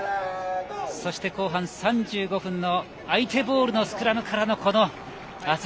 そして後半３５分の相手ボールのスクラムからの圧力。